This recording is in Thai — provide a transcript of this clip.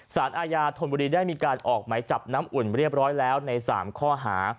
สารอาญาธนบุรีได้มีการออกไหมจับน้ำอุ่นเรียบร้อยแล้วใน๓ข้อหา